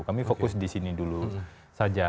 kami fokus di sini dulu saja